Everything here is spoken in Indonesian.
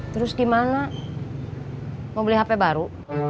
terus gimana mau beli hp baru